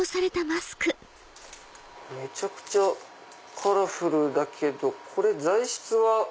めちゃくちゃカラフルだけどこれ材質は。